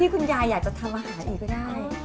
คุณยายอยากจะทำอาหารเองก็ได้